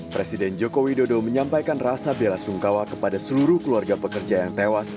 presiden joko widodo menyampaikan rasa bela sungkawa kepada seluruh keluarga pekerja yang tewas